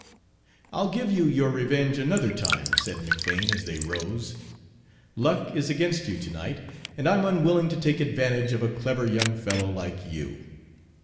"I'll give you your revenge another time," said McBane, as they rose. "Luck is against you to night, and I'm unwilling to take advantage of a clever young fellow like you.